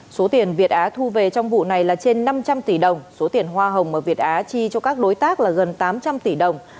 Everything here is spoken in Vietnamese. số tiền việt á thu về trong vụ này là trên năm trăm linh tỷ đồng số tiền hoa hồng mà việt á chi cho các đối tác là gần tám trăm linh tỷ đồng